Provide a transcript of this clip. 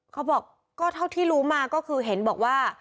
เขาบอกก็เท่าที่รู้มาก็คือเห็นบอกว่า